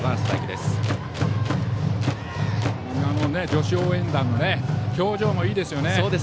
女子応援団の表情もいいですよね。